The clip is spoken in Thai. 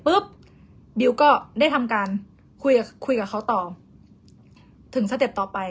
บิวก็ได้ทำการคุยกับเขาต่อถึงสเต็ปต่อไป